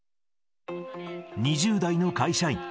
２０代の会社員。